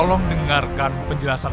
bukan biar anak saya ini hidup